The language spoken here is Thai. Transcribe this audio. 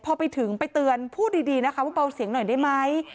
พอไปถึงไปเตือนพูดดีนะคะว่าเบาเสียงหน่อยได้ไหม